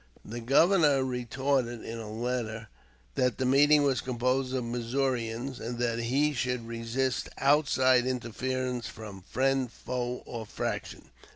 The Governor retorted in a letter that the meeting was composed of Missourians, and that he should resist outside interference from friend, foe, or faction.